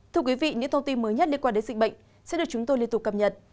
thưa quý vị những thông tin mới nhất liên quan đến dịch bệnh sẽ được chúng tôi liên tục cập nhật